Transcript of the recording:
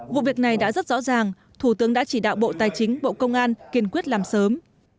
vụ việc này đã rất rõ ràng thủ tướng đã chỉ đạo bộ tài chính bộ công an kiên quyết làm sớm